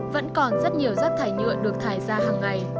vẫn còn rất nhiều rác thải nhựa được thải ra hàng ngày